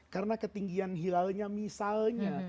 karena ketinggian hilalnya misalnya